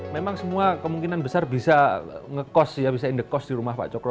memang semua kemungkinan besar bisa ngekos bisa indekos di rumah pak cokro